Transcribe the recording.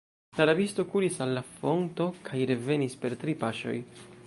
La rabisto kuris al la fonto kaj revenis per tri paŝoj.